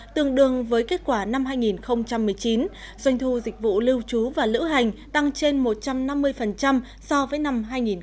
tương đương với kết quả năm hai nghìn một mươi chín doanh thu dịch vụ lưu trú và lữ hành tăng trên một trăm năm mươi so với năm hai nghìn một mươi tám